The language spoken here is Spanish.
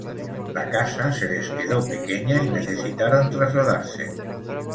La casa se les quedó pequeña y necesitaron trasladarse.